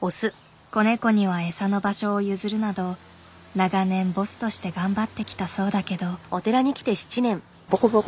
子ネコにはエサの場所を譲るなど長年ボスとして頑張ってきたそうだけど。